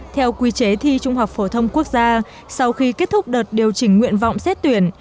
theo quy chế thi trung học phổ thông quốc gia sau khi kết thúc đợt điều chỉnh nguyện vọng xét tuyển